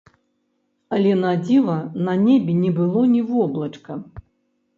Але, на дзіва, на небе не было ні воблачка!